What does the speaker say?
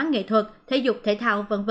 nghệ thuật thể dục thể thao v v